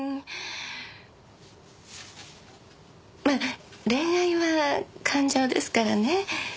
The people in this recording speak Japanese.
まあ恋愛は感情ですからね